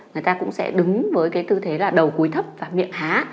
người ta cũng sẽ đứng với cái tư thế là đầu cuối thấp và miệng há